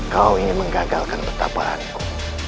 kau ingin menggagalkan pertapaanku